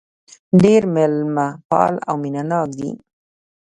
ډېر مېلمه پال او مينه ناک دي.